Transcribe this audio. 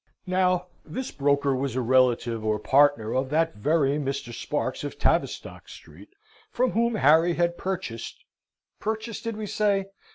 Now this broker was a relative or partner of that very Mr. Sparks of Tavistock Street, from whom Harry had purchased purchased did we say?